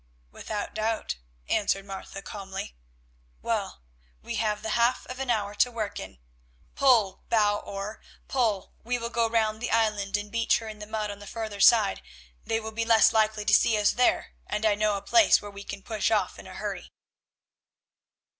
"Without doubt," answered Martha calmly. "Well, we have the half of an hour to work in. Pull, bow oar, pull, we will go round the island and beach her in the mud on the further side. They will be less likely to see us there, and I know a place whence we can push off in a hurry."